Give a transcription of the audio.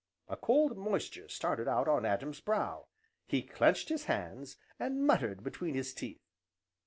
A cold moisture started out on Adam's brow, he clenched his hands, and muttered between his teeth.